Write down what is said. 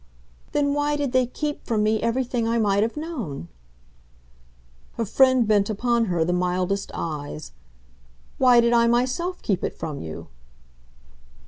"Then why did they keep from me everything I might have known?" Her friend bent upon her the mildest eyes. "Why did I myself keep it from you?"